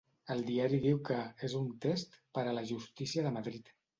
El diari diu que ‘és un test per a la justícia de Madrid’.